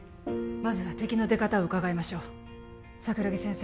まずは敵の出方をうかがいましょう桜木先生